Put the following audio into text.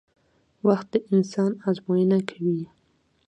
وخت د انسان ازموینه کوي